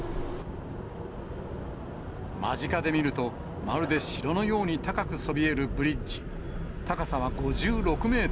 間近で見ると、まるで城のように高くそびえるブリッジ。